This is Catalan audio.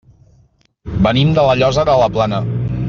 Venim de La Llosa de la Plana.